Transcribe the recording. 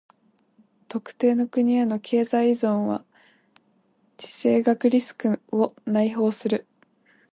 特定の国への経済依存は地政学リスクを内包する。